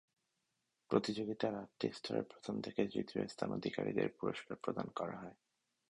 প্রতিযোগিতার আটটি স্তরে প্রথম থেকে তৃতীয় স্থান অধিকারীদের পুরস্কার প্রদান করা হয়।